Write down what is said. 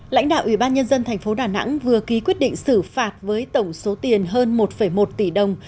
lãnh đạo ủy ban nhân dân tp đà nẵng vừa ký quyết định xử phạt với tổng số tiền hơn một một tỷ đồng